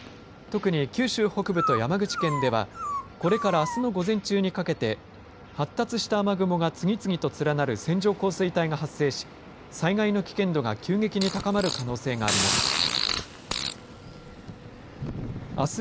特に九州北部と山口県ではこれから、あすの午前中にかけて発達した雨雲が次々と連なる線状降水帯が発生し災害の危険度が急激に高まる可能性があります。